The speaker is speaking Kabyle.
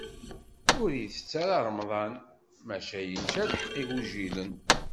Ur itett ara remḍan, maca yečča lḥeqq igujilen.